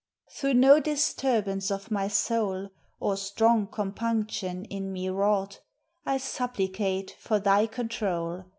Through no disturbance of my soul, Or strong compunction in me wrought, 1 supplicate tor thy control.